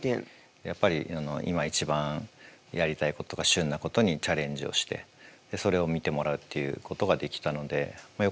やっぱり今一番やりたいことが旬なことにチャレンジをしてそれを見てもらうっていうことができたのでまあよかったかなと。